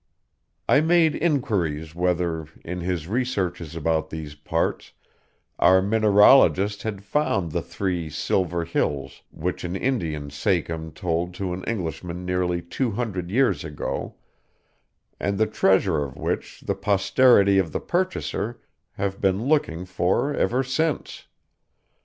I made inquiries whether, in his researches about these parts, our mineralogist had found the three 'Silver Hills' which an Indian sachem sold to an Englishman nearly two hundred years ago, and the treasure of which the posterity of the purchaser have been looking for ever since.